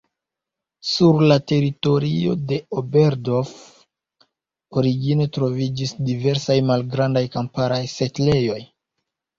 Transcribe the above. Sur la teritorio de Oberdorf origine troviĝis diversaj malgrandaj kamparaj setlejoj.